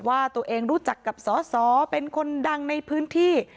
ว่าตัวเองรู้จักกับสอสอเป็นคนดังในพื้นที่